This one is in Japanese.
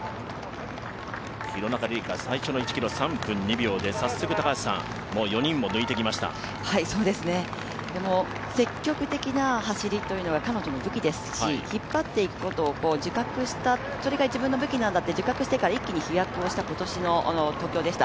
廣中璃梨佳、最初の１ｋｍ３．２秒で、早速もう積極的な走りというのは彼女の武器ですし引っ張っていくことを自覚した、それが自分の武器なんだと自覚してから一気に飛躍をした今年の東京でした。